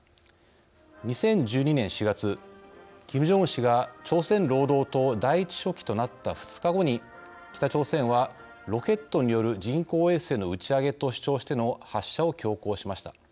２０１２年４月キム・ジョンウン氏が朝鮮労働党第１書記となった２日後に、北朝鮮は「ロケットによる人工衛星の打ち上げ」と主張しての発射を強行しました。